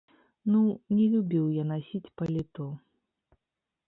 Ну, не любіў я насіць паліто.